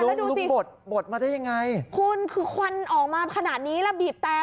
ลูกบดบดมาได้ยังไงคุณคือควันออกมาขนาดนี้แล้วบีบแต่